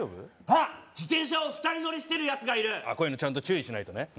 あっ自転車を２人乗りしてるやつがいるこういうのちゃんと注意しないとね